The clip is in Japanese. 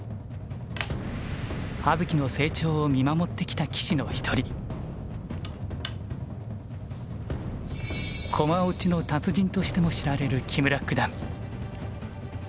葉月の成長を見守ってきた棋士の一人。としても知られる木村九段。